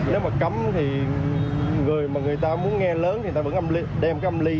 nếu mà cấm thì người mà người ta muốn nghe lớn thì người ta vẫn đem cái âm ly